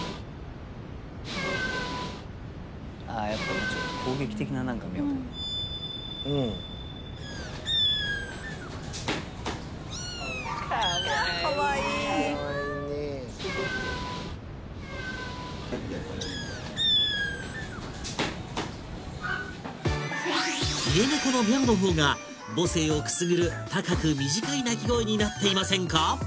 あやっぱりちょっと攻撃的な何か「ミャオ」だよなかわいいかわいいイエネコの「ミャオ」のほうが母性をくすぐる高く短い泣き声になっていませんか